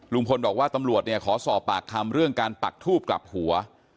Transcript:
ลุงพลบอกว่าตำรวจเนี่ยขอสอบปากคำเรื่องการปักทูบกลับหัว